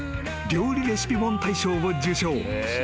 料理レシピ本大賞を受賞］